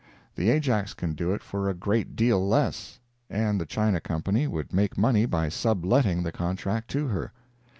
The Ajax can do it for a great deal less, and the China company would make money by sub letting the contract to her.